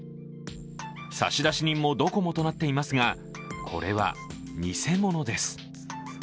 差出人もドコモとなっていますが、これは偽物です。